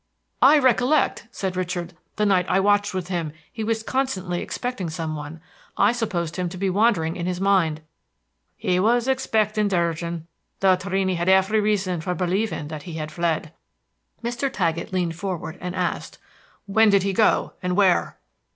"I recollect," said Richard, "the night I watched with him he was constantly expecting some one. I supposed him to be wandering in his mind." "He was expecting Durgin, though Torrini had every reason for believing that he had fled." Mr. Taggett leaned forward, and asked, "When did he go, and where?"